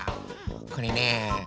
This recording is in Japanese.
これねえ